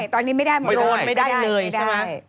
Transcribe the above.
ตอนนี้ไม่ได้มาโดนไม่ได้เลยใช่ไหม